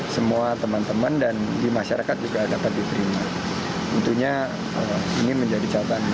sejalan dengan gerindra pks menilai kinerja anies berangsur angsur telah sebagian melunasi janji janji